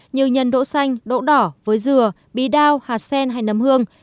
như nhân đỗ xanh đỗ đỏ với dừa bí đao hạt sen hay nấm hương